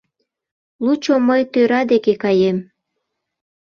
Лучо мый тӧра деке каем.